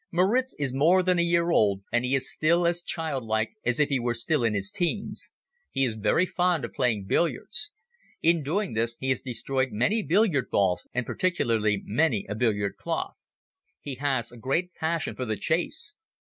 Moritz is more than a year old and he is still as child like as if he were still in his teens. He is very fond of playing billiards. In doing this he has destroyed many billiard balls and particularly many a billiard cloth. He has a great passion for the chase.